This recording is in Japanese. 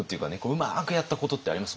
うまくやったことってあります？